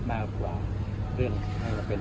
มากกว่าเรื่องให้เราเป็น